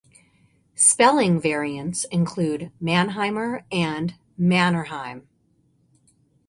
Spelling variants include Manheimer and Mannerheim.